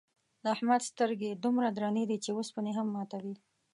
د احمد سترگې دومره درنې دي، چې اوسپنې هم ماتوي.